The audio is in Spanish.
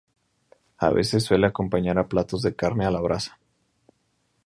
A veces suele acompañar a platos de carne a la brasa.